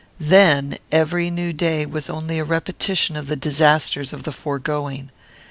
Then every new day was only a repetition of the disasters of the foregoing.